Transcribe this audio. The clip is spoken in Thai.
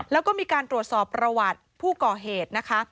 แล้วก็มีการตรวจสอบประวัติผู้ก่อเหตุนะคะ